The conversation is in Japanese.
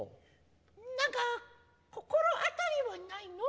なんか、心当たりはないの？